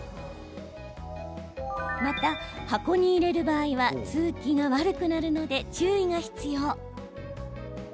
また、箱に入れる場合は通気が悪くなるので注意が必要。